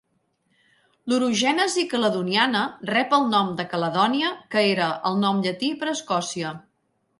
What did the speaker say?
L'orogènesi caledoniana rep el nom de Caledònia, que era el nom llatí per Escòcia.